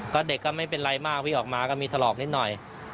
ก็เด็กก็ไม่เป็นไรมากวิ่งออกมาก็มีถลอกนิดหน่อย